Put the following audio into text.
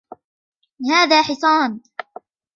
هذا حصان